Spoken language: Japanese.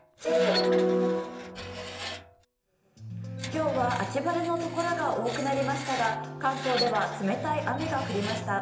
今日は秋晴れのところが多くなりましたが関東では冷たい雨が降りました。